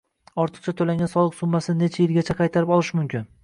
Ortiqcha to‘langan soliq summasini necha yilgacha qaytarib olish mumkin?